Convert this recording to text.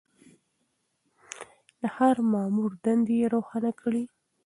د هر مامور دندې يې روښانه کړې.